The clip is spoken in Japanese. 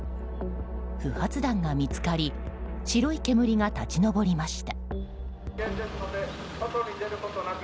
不発弾が見つかり白い煙が立ち上りました。